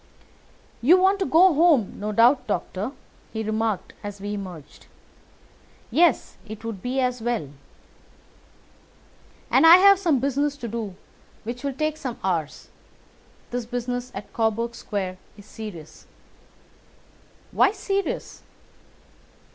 "You want to go home, no doubt, Doctor," he remarked as we emerged. "Yes, it would be as well." "And I have some business to do which will take some hours. This business at Coburg Square is serious." "Why serious?"